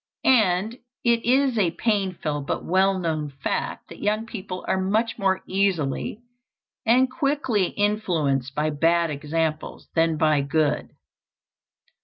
And it is a painful but well known fact that young people are much more easily and quickly influenced by bad example than by good.